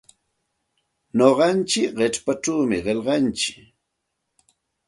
Nuqantsik qichpachawmi qillqantsik.